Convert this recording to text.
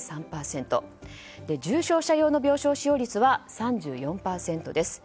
重症者用の病床使用率は３４％です。